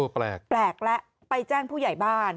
แปลกแล้วไปแจ้งผู้ใหญ่บ้าน